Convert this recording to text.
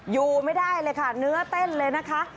อยู่ไม่ได้เลยค่ะเนื้อเต้นเลยนะคะ